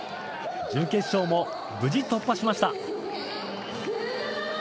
準決勝も無事、突破しました。